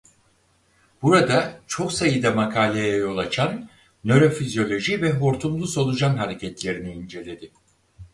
Burada çok sayıda makaleye yol açan nörofizyoloji ve Hortumlu solucan hareketlerini inceledi.